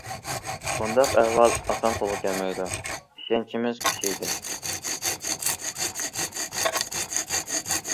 بۇنداق ئەھۋال ئاسان قولغا كەلمەيدۇ، ئىشەنچىمىز كۈچەيدى.